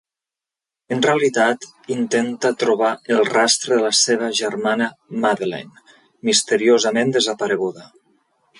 En realitat, intenta trobar el rastre de la seva germana Madeleine, misteriosament desapareguda.